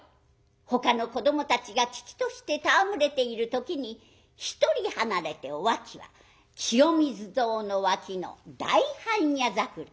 ほかの子どもたちが喜々として戯れている時に一人離れてお秋は清水堂の脇の大般若桜。